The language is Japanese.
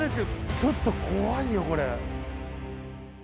ちょっと怖いよこれ。